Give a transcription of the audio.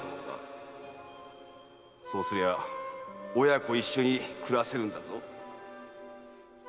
〔そうすれば親子一緒に暮らせるのだぞ〕